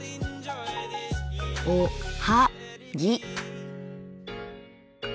おはぎ。